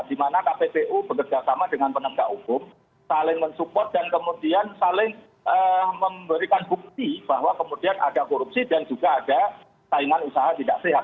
di mana kppu bekerjasama dengan penegak hukum saling mensupport dan kemudian saling memberikan bukti bahwa kemudian ada korupsi dan juga ada saingan usaha tidak sehat